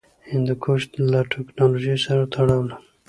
هندوکش له تکنالوژۍ سره تړاو لري.